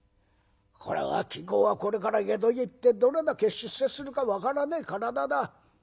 これは金公はこれから江戸へ行ってどれだけ出世するか分からねえ体だ。